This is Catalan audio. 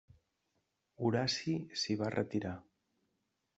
Horaci s'hi va retirar.